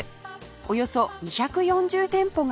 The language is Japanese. およそ２４０店舗が入る